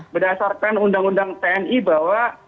berdasarkan undang undang tni bahwa